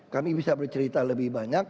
kami bisa bercerita lebih banyak